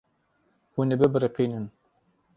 Hûn ê bibiriqînin.